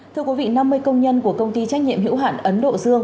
thưa quý vị năm mươi công nhân của công ty trách nhiệm hữu hạn ấn độ dương